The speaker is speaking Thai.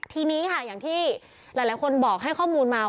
ทีนี้ค่ะอย่างที่หลายคนบอกให้ข้อมูลมา